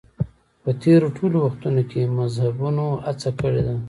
په تېرو ټولو وختونو کې مذهبيونو هڅه کړې ده.